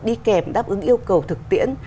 đi kèm đáp ứng yêu cầu thực tiễn